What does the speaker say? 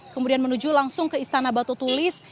kemudian menuju langsung ke istana batu tulis